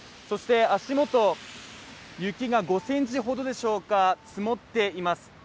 そして足元雪が５センチほどでしょうか、積もっています。